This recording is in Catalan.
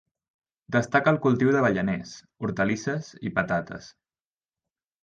Destaca el cultiu d'avellaners, hortalisses i patates.